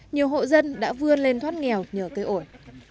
nhiều hộ dân đã vươn lên thoát nghèo nhờ cây ổn